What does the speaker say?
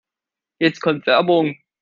Jetzt kommt Werbung.